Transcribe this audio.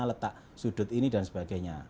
letak sudut ini dan sebagainya